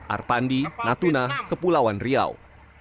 arpandi natuna kepulauan tiongkok